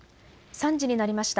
３時になりました。